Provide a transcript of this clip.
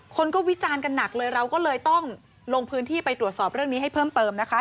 คนก็วิจารณ์กันหนักเลยเราก็เลยต้องลงพื้นที่ไปตรวจสอบเรื่องนี้ให้เพิ่มเติมนะคะ